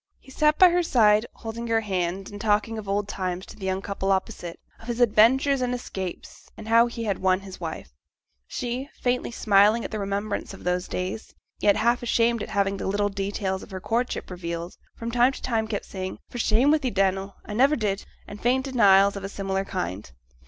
He sat by her side, holding her hand, and talking of old times to the young couple opposite; of his adventures and escapes, and how he had won his wife. She, faintly smiling at the remembrance of those days, yet half ashamed at having the little details of her courtship revealed, from time to time kept saying, 'For shame wi' thee, Dannel I never did,' and faint denials of a similar kind.